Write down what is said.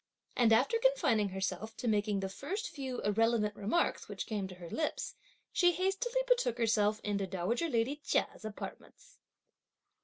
And after confining herself to making the first few irrelevant remarks which came to her lips, she hastily betook herself into dowager lady Chia's apartments.